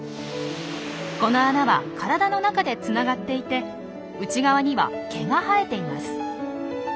この穴は体の中でつながっていて内側には毛が生えています。